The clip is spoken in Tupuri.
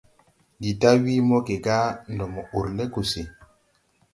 Ndi da wii moge gá ndɔ mo urlɛ gusi.